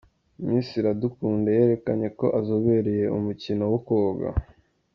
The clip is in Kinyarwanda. Miss Iradukunda yerekanye ko azobereye umukino wo koga.